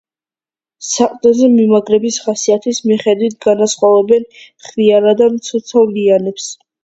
საყრდენზე მიმაგრების ხასიათის მიხედვით განასხვავებენ ხვიარა და მცოცავ ლიანებს.